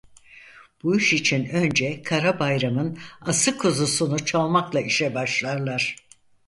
Bu iş için önce Kara Bayram'ın ası kuzusunu çalmakla işe başlarlar.